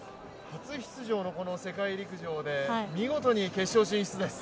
初出場のこの世界陸上で見事に決勝進出です。